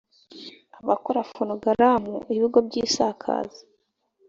abakora fonogaramu ibigo by isakaza